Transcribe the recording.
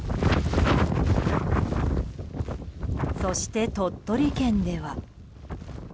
そして、鳥取県では。